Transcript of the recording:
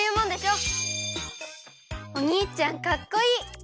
おにいちゃんかっこいい！